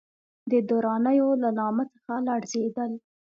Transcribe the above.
د درانیو له نامه څخه لړزېدل.